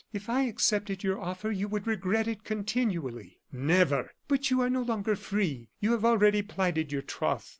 "If I accepted your offer, you would regret it continually." "Never!" "But you are no longer free. You have already plighted your troth.